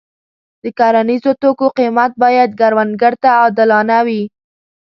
د کرنیزو توکو قیمت باید کروندګر ته عادلانه وي.